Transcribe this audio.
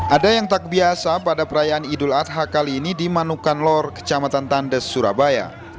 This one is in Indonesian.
ada yang tak biasa pada perayaan idul adha kali ini di manukanlor kecamatan tandes surabaya